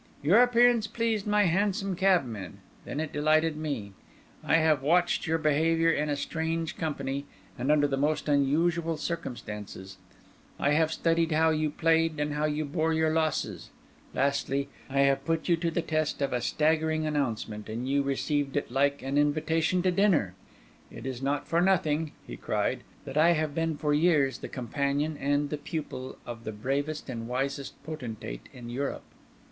Your appearance pleased my hansom cabmen; then it delighted me; I have watched your behaviour in a strange company, and under the most unusual circumstances: I have studied how you played and how you bore your losses; lastly, I have put you to the test of a staggering announcement, and you received it like an invitation to dinner. It is not for nothing," he cried, "that I have been for years the companion and the pupil of the bravest and wisest potentate in Europe."